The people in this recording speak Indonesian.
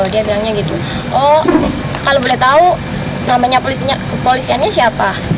dia bilangnya gitu oh kalau boleh tahu namanya kepolisiannya siapa